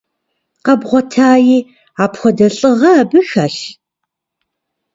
Къэбгъуэтаи, апхуэдэ лӀыгъэ абы хэлъ?